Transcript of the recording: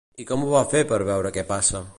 I com ho va fer per veure què passa?